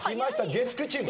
月９チーム。